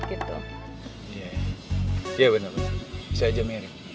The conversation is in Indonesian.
iya bener bener bisa aja mirip